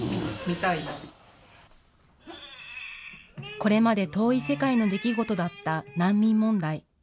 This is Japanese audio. これまで遠い世界の出来事だった難民問題。